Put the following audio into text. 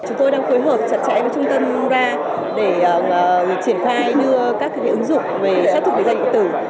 chúng tôi đang khối hợp chặt chẽ với trung tâm ra để triển khai đưa các ứng dụng về sát thục định danh điện tử